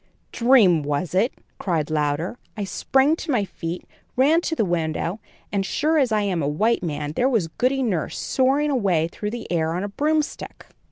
"Dream, was it?" cried Louder. "I sprang to my feet, ran to the window, and, sure as I am a white man, there was Goody Nurse soaring away through the air on a broomstick."